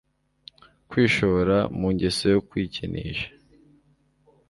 kwishora mu ngeso yo kwikinisha